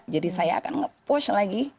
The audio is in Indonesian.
jadi saya akan nge push lagi